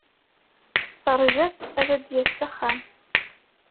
Terja-t ad d-yas s axxam.